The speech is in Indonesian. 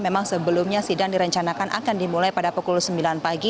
memang sebelumnya sidang direncanakan akan dimulai pada pukul sembilan pagi